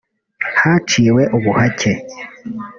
haciwe ubuhake